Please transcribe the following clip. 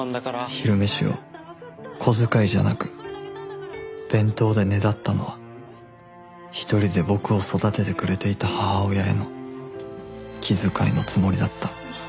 昼飯を小遣いじゃなく弁当でねだったのは一人で僕を育ててくれていた母親への気遣いのつもりだった